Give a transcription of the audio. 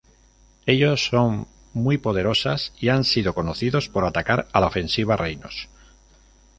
Ellos son muy poderosas, y han sido conocidos por atacar a la ofensiva reinos.